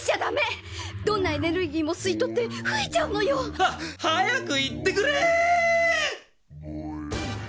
どんなエネルギーもすいとってふえちゃうのよ！ははやくいってくれ！